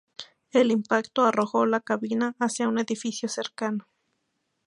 El impacto arrojó la cabina hacia un edificio cercano.